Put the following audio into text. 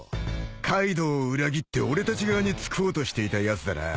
［カイドウを裏切って俺たち側につこうとしていたやつだな］